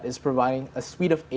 memberikan suara alat ai